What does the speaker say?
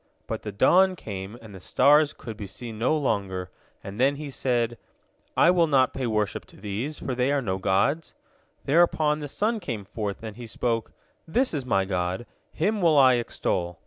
But the dawn came, and the stars could be seen no longer, and then he said, "I will not pay worship to these, for they are no gods." Thereupon the sun came forth, and he spoke, "This is my god, him will I extol."